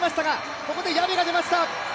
ここでヤビが出ました